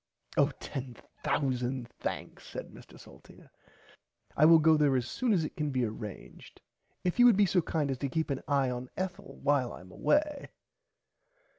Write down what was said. Oh ten thousand thanks said Mr Salteena I will go there as soon as it can be arranged if you would be so kind as to keep an eye on Ethel while I am away.